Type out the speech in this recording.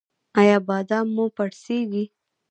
ایا بادام مو پړسیږي؟